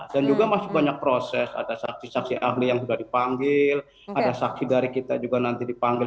dan juga masih banyak proses ada saksi saksi ahli yang sudah dipanggil ada saksi dari kita juga nanti dipanggil